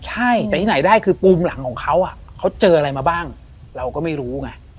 ใช่แต่ที่ไหนได้คือปูมหลังของเขาเขาเจออะไรมาบ้างเราก็ไม่รู้ไง